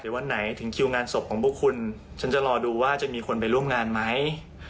วันไหนถึงคิวงานศพของพวกคุณฉันจะรอดูว่าจะมีคนไปร่วมงานไหม